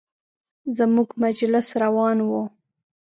زموږ مجلس روان و.